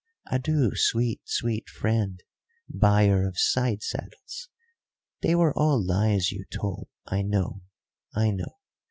"Adieu, sweet, sweet friend, buyer of side saddles! They were all lies you told I know, I know.